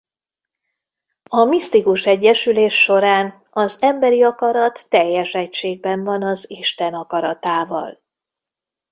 A misztikus egyesülés során az emberi akarat teljes egységben van az Isten akaratával.